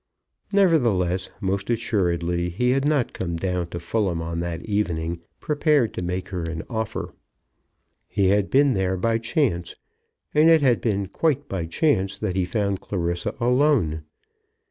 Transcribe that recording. Nevertheless, most assuredly he had not come down to Fulham on that evening prepared to make her an offer. He had been there by chance, and it had been quite by chance that he found Clarissa alone.